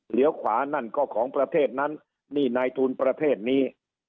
ขวานั่นก็ของประเทศนั้นนี่นายทุนประเทศนี้